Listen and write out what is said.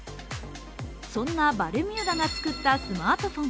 そんなバルミューダがつくったスマートフォン。